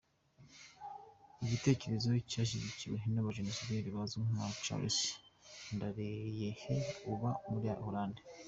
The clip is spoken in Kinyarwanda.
Igitekerezo cyashyigikiwe n’abaJenosideri bazwi nka Charles Ndereyehe uba muri Holland.